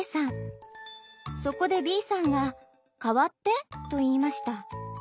そこでＢさんが「代わって」と言いました。